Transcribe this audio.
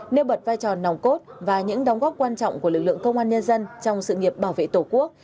nêu bật vai trò nòng cốt và những đóng góp quan trọng của lực lượng công an nhân dân trong sự nghiệp bảo vệ tổ quốc